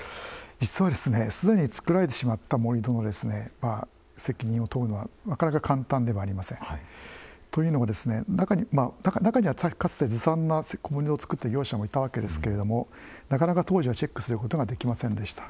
実はすでに造られてしまった盛土の責任を問うのはなかなか簡単ではありません。というのもですね中にはかつてずさんな盛土を造った業者もいたわけですけれどもなかなか当時はチェックすることができませんでした。